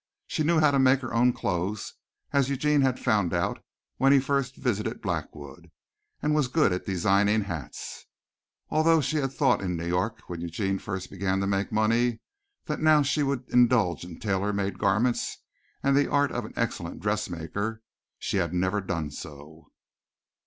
She knew how to make her own clothes, as Eugene had found out when he first visited Blackwood, and was good at designing hats. Although she had thought in New York, when Eugene first began to make money, that now she would indulge in tailor made garments and the art of an excellent dressmaker, she had never done so.